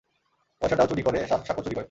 পয়সাটাও চুরি করে, শাকও চুরি করে।